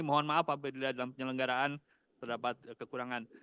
mohon maaf apabila dalam penyelenggaraan terdapat kekurangan